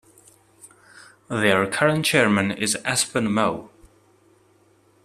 Their current chairman is Espen Moe.